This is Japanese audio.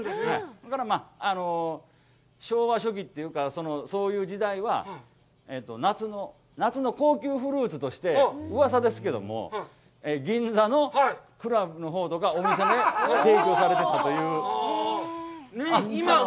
だから、昭和初期というか、そういう時代は、夏の高級フルーツとして、うわさですけども、銀座のクラブとか、お店で提供されとったという。